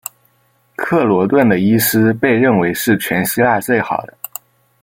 克罗顿的医师被认为是全希腊最好的。